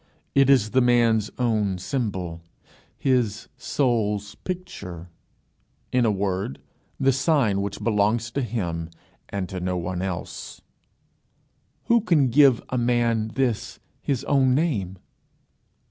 It is the man's own symbol, his soul's picture, in a word, the sign which belongs to him and to no one else. Who can give a man this, his own name?